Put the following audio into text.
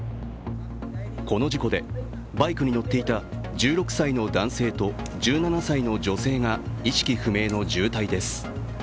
この事故で、バイクに乗っていた１６歳の男性と１７歳の女性が意識不明の重体です。